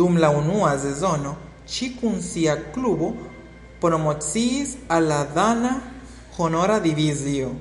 Dum la unua sezono ŝi kun sia klubo promociis al la dana honora divizio.